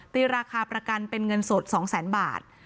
ตีราคาประกันเป็นเงินสด๒๐๐๐๐๐บาท